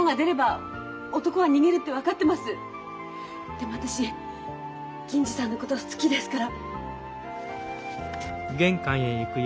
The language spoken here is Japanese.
でも私銀次さんのこと好きですから。